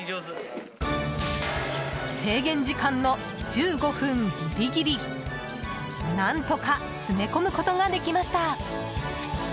制限時間の１５分ギリギリ何とか詰め込むことができました。